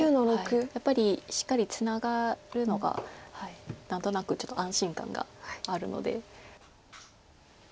やっぱりしっかりツナがるのが何となくちょっと安心感があるので。